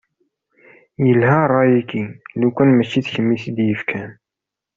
Yelha ṛṛay-agi, lukan mačči d kemm i t-id-yefkan.